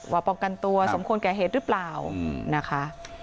ว่าป้องกันตัวสมควรแก่เหตุหรือเปล่านะคะ